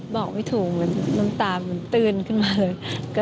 บอกไม่ถูกเหมือนน้ำตามันตื้นขึ้นมาเลย